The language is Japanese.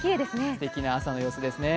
すてきな朝の様子です。